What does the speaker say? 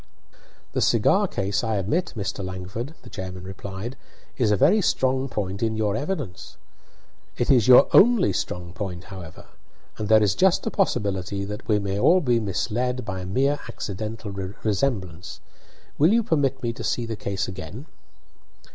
"The cigar case, I admit, Mr. Langford," the chairman replied, "is a very strong point in your evidence. It is your only strong point, however, and there is just a possibility that we may all be misled by a mere accidental resemblance. Will you permit me to see the case again?"